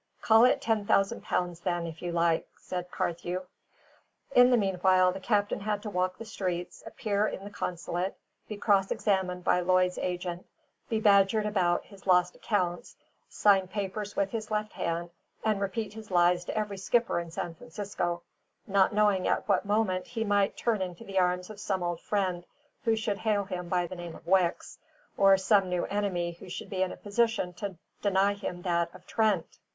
"Call it ten thousand pounds then, if you like!" said Carthew. In the meanwhile, the captain had to walk the streets, appear in the consulate, be cross examined by Lloyd's agent, be badgered about his lost accounts, sign papers with his left hand, and repeat his lies to every skipper in San Francisco: not knowing at what moment he might run into the arms of some old friend who should hail him by the name of Wicks, or some new enemy who should be in a position to deny him that of Trent.